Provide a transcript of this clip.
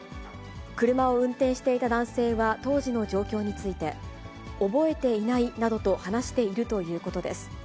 車を運転していた男性は当時の状況について、覚えていないなどと話しているということです。